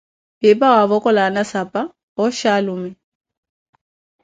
Piipi awavokola aana sapa, ooxhi alume.